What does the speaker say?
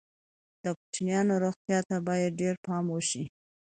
د کوچنیانو روغتیا ته باید ډېر پام وشي.